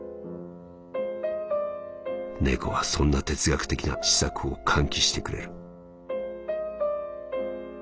「猫はそんな哲学的な思索を喚起してくれる」。